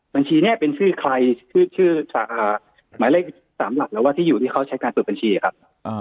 บัญชีนี้เป็นชื่อใครชื่อหมายเลข๓หลักหรือว่าที่อยู่ที่เขาใช้การเปิดบัญชีครับ